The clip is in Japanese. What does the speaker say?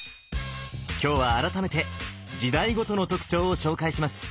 今日は改めて時代ごとの特徴を紹介します。